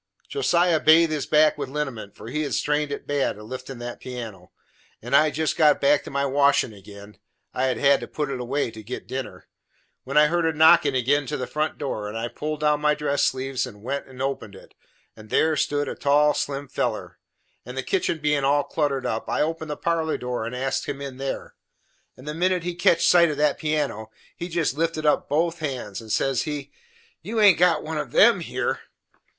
Josiah bathed his back with linement, for he had strained it bad a liftin' that piano, and I had jest got back to my washin' again (I had had to put it away to git dinner) when I heerd a knockin' again to the front door, and I pulled down my dress sleeves and went and opened it, and there stood a tall, slim feller; and the kitchen bein' all cluttered up I opened the parlor door and asked him in there, and the minute he catched sight of that piano, he jest lifted up both hands, and says he: "You haint got one of them here!"